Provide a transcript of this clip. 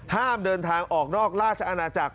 ห้ามเดินทางออกนอกราชอาณาจักร